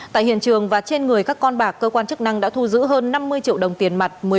tại hiện trường và trên người các con bạc cơ quan chức năng đã thu giữ hơn năm mươi triệu đồng tiền mặt